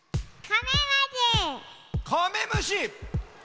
カメムシ。